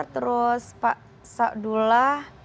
terus pak sa'dullah